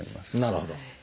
なるほど。